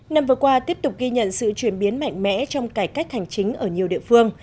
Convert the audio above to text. năm vừa qua tiếp tục ghi nhận sự chuyển biến mạnh mẽ trong cải cách hành chính ở nhiều địa phương